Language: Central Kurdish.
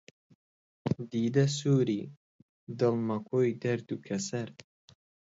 دیدە سووری، دڵ مەکۆی دەرد و کەسەر